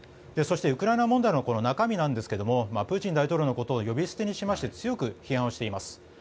そして、ウクライナ問題の中身なんですがプーチン大統領のことを呼び捨てにしまして強く批判をしています。